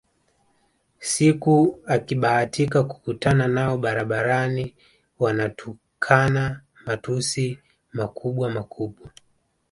Siku ukibahatika kukutana nao barabarani wanatukana matusi makubwamakubwa